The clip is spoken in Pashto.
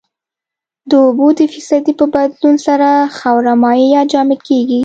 د اوبو د فیصدي په بدلون سره خاوره مایع یا جامد کیږي